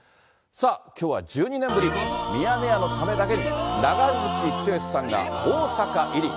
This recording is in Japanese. さあ、きょうは１２年ぶり、ミヤネ屋のためだけに、長渕剛さんが大阪入り。